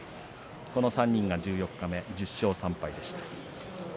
この３人が十四日目１０勝３敗でした。